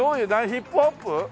ヒップホップ？